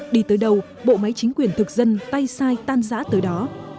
đi tới đâu bộ máy chính quyền thực dân tay sai tan giã tới đó